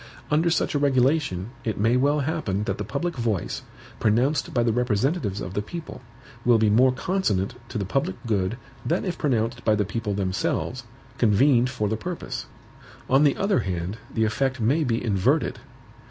Under such a regulation, it may well happen that the public voice, pronounced by the representatives of the people, will be more consonant to the public good than if pronounced by the people themselves, convened for the purpose. On the other hand, the effect may be inverted.